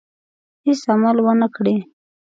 هېڅ عمل ونه کړي.